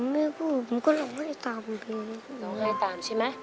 แม่พูดผมก็ร้องไห้ตามครับแม่ร้องไห้ตามใช่ไหม